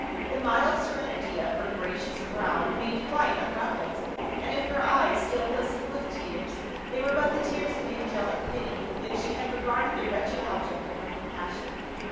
The mild serenity of her gracious brow remained quite unruffled, and if her eyes still glistened with tears, they were but the tears of angelic pity with which she had regarded the wretched object of her compassion.